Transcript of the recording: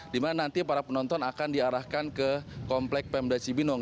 di mana nanti para penonton akan diarahkan ke komplek pemda cibinong